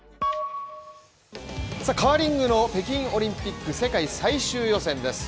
カーリングの北京オリンピック世界最終予選です。